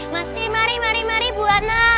masih mari mari bu anna